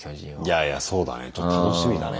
いやいやそうだねちょっと楽しみだね。